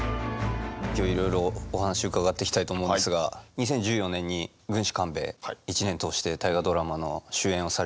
今日いろいろお話伺っていきたいと思うんですが２０１４年に「軍師官兵衛」１年通して「大河ドラマ」の主演をされてるじゃないですか。